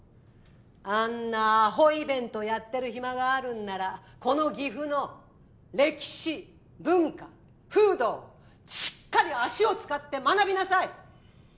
あんなアホイベントやってる暇があるんならこの岐阜の歴史文化風土をしっかり足を使って学びなさい。